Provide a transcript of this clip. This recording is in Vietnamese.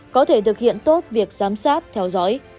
có thể thực hiện tốt việc giám sát theo dõi